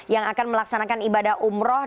yang akan melaksanakan ibadah umroh